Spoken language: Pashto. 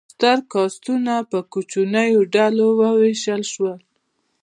ستر کاستونه په کوچنیو ډلو وویشل شول.